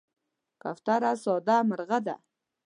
کوتره ساده مرغه ده.